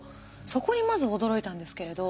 そこにまず驚いたんですけれど。